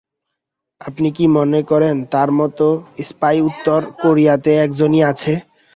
আপনি কী মনে করেন তার মতো স্পাই উত্তর কোরিয়াতে একজনই আছে?